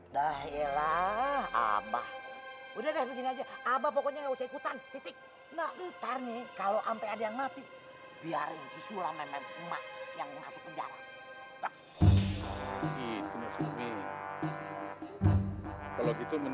dah iyalah abah udah deh begini aja abah pokoknya nggak usah ikutan titik